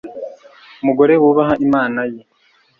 Umugore wubaha Imana ye